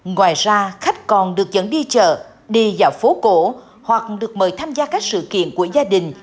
ngoài ra khách còn được dẫn đi chợ đi vào phố cổ hoặc được mời tham gia các sự kiện của gia đình